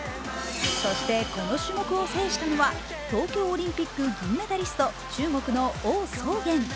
そしてこの種目を制したのは東京オリンピック銀メダリスト中国の王宗源。